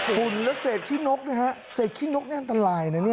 ฝุ่นและเศษขี้นกนะฮะเศษขี้นกนี่อันตรายนะเนี่ย